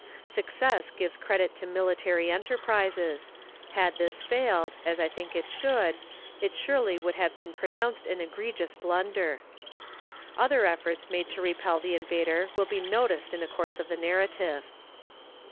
Success gives credit to military enterprises; had this failed, as I think it should, it surely would have been pronounced an egregious blunder. Other efforts made to repel the invader will be noticed in the course of the narrative.